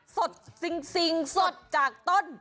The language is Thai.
สดจริงสดจากต้น